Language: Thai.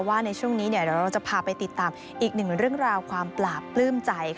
ในช่วงนี้เดี๋ยวเราจะพาไปติดตามอีกหนึ่งเรื่องราวความปราบปลื้มใจ